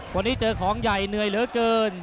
วันนี้เจอของใหญ่เหนื่อยเหลือเกิน